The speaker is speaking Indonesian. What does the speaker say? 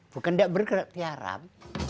bukan tidak bergerak tiarap